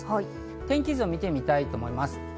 天気図を見てみたいと思います。